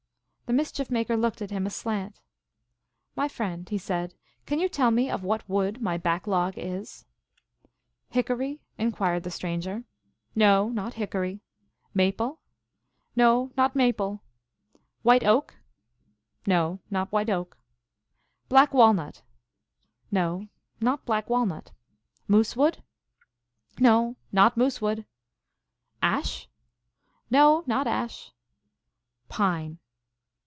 The Mischief Maker looked at him aslant. " My friend," he said, " can you tell me of what wood my back log is ?"" Hickory ?" inquired the stranger. 200 THE ALGONQUIN LEGENDS. " No, not hickory." " Maple ?"" No, not maple." " White oak ?"" No, not white oak." " Black walnut ?"" No, not black walnut." " Moosewood?" " No, not moosewood." "Ash?" " No, not ash." "Pine?"